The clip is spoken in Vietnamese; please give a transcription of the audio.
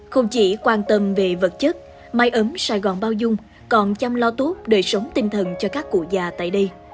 không chỉ quan tâm về vật chất mái ấm sài gòn bao dung còn chăm lo tốt đời sống tinh thần cho các cụ già tại đây